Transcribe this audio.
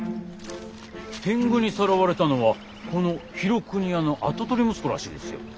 天狗にさらわれたのはこの廣國屋の跡取り息子らしいですよ。